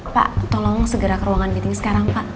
pak tolong segera ke ruangan meeting sekarang pak